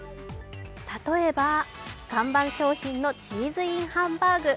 例えば、看板商品のチーズＩＮハンバーグ。